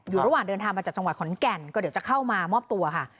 ระหว่างเดินทางมาจากจังหวัดขอนแก่นก็เดี๋ยวจะเข้ามามอบตัวค่ะ